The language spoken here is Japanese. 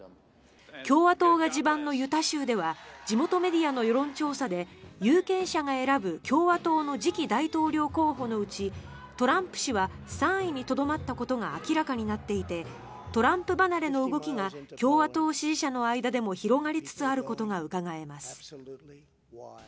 共和党が地盤のユタ州では地元メディアの世論調査で有権者が選ぶ共和党の次期大統領候補のうちトランプ氏は３位にとどまったことが明らかになっていてトランプ離れの動きが共和党支持者の間でも広がりつつあることがうかがえます。